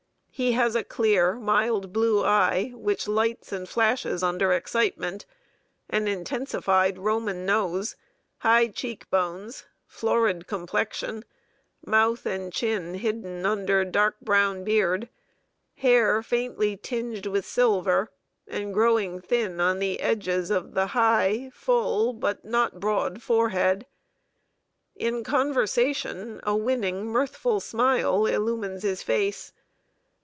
He has a clear, mild blue eye, which lights and flashes under excitement; an intensified Roman nose, high cheek bones, florid complexion, mouth and chin hidden under dark brown beard, hair faintly tinged with silver, and growing thin on the edges of the high, full, but not broad, forehead. In conversation, a winning, mirthful smile illumines his face.